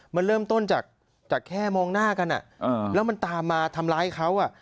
มันเริ่มต้นจากแค่มองหน้ากันแล้วมันตามมาทำร้ายเขา